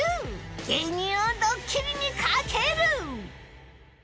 芸人をドッキリにかける！